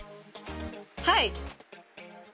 はい。